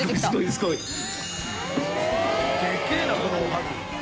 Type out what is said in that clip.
でけえなこのおはぎ。